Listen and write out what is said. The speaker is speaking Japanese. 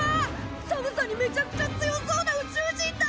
寒さにめちゃくちゃ強そうな宇宙人だ！